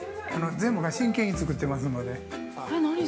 全部が真剣に作ってますので。